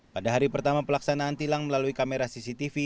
pada hari pertama pelaksanaan tilang melalui kamera cctv